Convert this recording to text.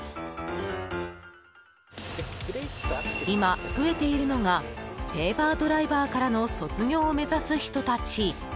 今、増えているのがペーパードライバーからの卒業を目指す人たち。